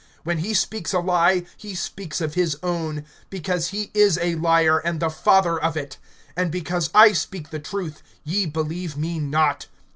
When he speaks a lie, he speaks of his own; because he is a liar, and the father of it. (45)And because I speak the truth, ye believe me not.